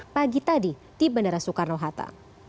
pagi tadi di bandara soekarno hatta